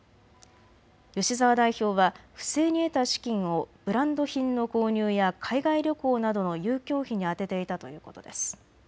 吉澤代表は不正に得た資金をブランド品の購入や海外旅行などの遊興費に充てていたということです。